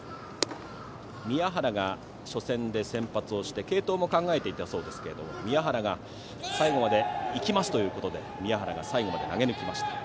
宮原が初戦で先発して継投も考えていたそうですけど宮原が最後までいきますと宮原が最後まで投げ抜きました。